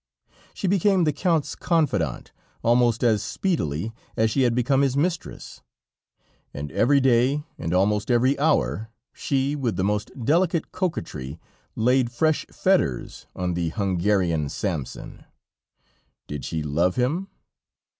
She became the Count's confidante almost as speedily as she had become his mistress, and every day, and almost every hour, she, with the most delicate coquetry, laid fresh fetters on the Hungarian Samson. Did she love him?